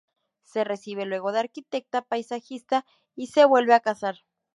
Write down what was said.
Se recibe luego de arquitecta paisajista y se vuelve a casar.